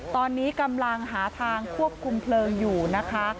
ตอนนี้กำลังหาทางควบคุมเพลิงอยู่นะคะ